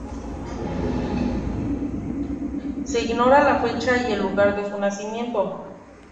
Se ignora la fecha y lugar de su nacimiento.